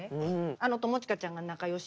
あの友近ちゃんが仲良し。